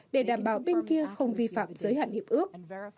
để đảm bảo bên kia không vi phạm giới hạn hiệp ước